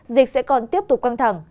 dịch sẽ còn tiếp tục quan thẳng